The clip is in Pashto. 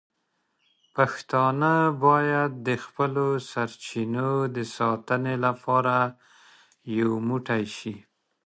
پښتانه باید د خپلو سرچینو د ساتنې لپاره یو موټی شي.